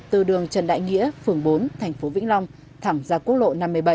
từ đường trần đại nghĩa phường bốn thành phố vĩnh long thẳng ra quốc lộ năm mươi bảy